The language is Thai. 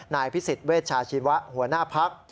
นายพิสิทธิเวชชาชีวะหัวหน้าพัก